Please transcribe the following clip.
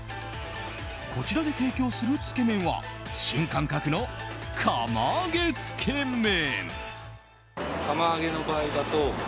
こちらで提供するつけ麺は新感覚の釜揚げつけ麺。